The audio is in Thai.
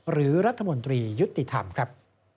หรือรัฐมนตรียุติธรรมครับ